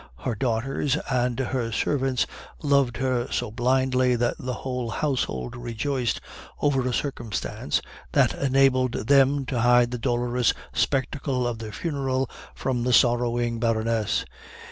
Her daughters and her servants loved her so blindly that the whole household rejoiced over a circumstance that enabled them to hide the dolorous spectacle of the funeral from the sorrowing Baroness.